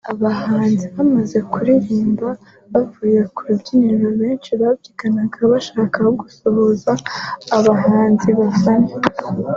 aba bahanzi bamaze kuyiririmba bavuye ku rubyiniro benshi babyigana bashaka gusuhuza abahanzi bafana